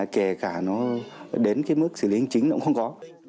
kể cả nó đến cái mức xử lý chính là cũng không có